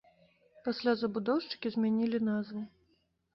Пасля забудоўшчыкі змянілі назву.